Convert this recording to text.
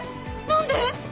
何で？